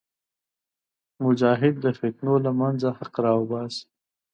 مجاهد د فتنو له منځه حق راوباسي.